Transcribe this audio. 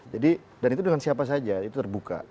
jadi dan itu dengan siapa saja itu terbuka